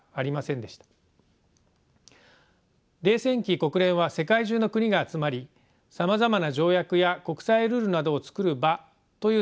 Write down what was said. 冷戦期国連は世界中の国が集まりさまざまな条約や国際ルールなどを作る場という性格が強くなりました。